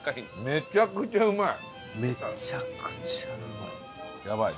めちゃくちゃうまい。